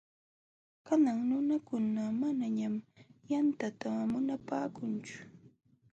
Kanan nunakuna manañam yantata munapaakunchu.